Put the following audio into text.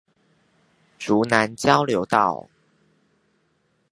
竹南交流道